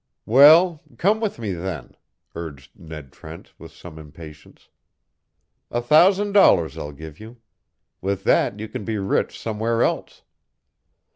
"Well, come with me, then," urged Ned Trent, with some impatience. "A thousand dollars I'll give you. With that you can be rich somewhere else."